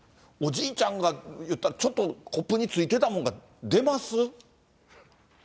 おじいちゃんが、いったら、ちょっとコップについてたもんが出ます？